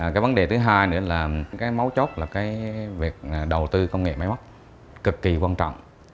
cái vấn đề thứ hai nữa là cái mấu chốt là cái việc đầu tư công nghệ máy móc cực kỳ quan trọng